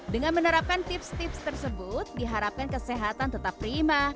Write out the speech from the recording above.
dengan menerapkan tips tips tersebut diharapkan kesehatan tetap prima